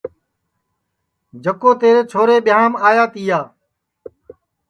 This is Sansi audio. جکو تیرے چھورے ٻیاںٚم آیا تیا